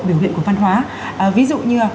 biểu hiện của văn hóa ví dụ như